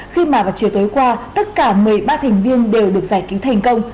khi mà vào chiều tối qua tất cả một mươi ba thành viên đều được giải cứu thành công